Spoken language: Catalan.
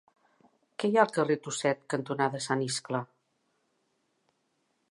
Què hi ha al carrer Tuset cantonada Sant Iscle?